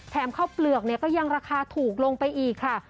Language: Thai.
ข้าวเปลือกเนี่ยก็ยังราคาถูกลงไปอีกค่ะ